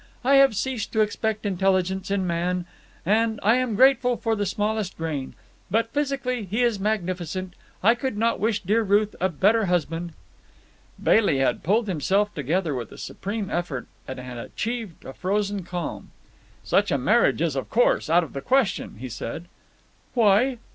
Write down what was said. I have ceased to expect intelligence in man, and I am grateful for the smallest grain. But physically, he is magnificent. I could not wish dear Ruth a better husband." Bailey had pulled himself together with a supreme effort and had achieved a frozen calm. "Such a marriage is, of course, out of the question," he said. "Why?"